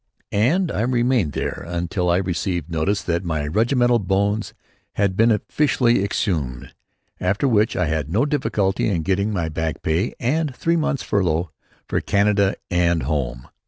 And I remained there until I received notice that my regimental bones had been officially exhumed; after which I had no difficulty in getting my back pay and three months' furlough for Canada and home!